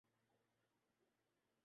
اس سطح کا تعامل نہیں کر رہا اس وقت